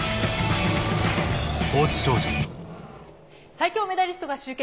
最強メダリストが集結！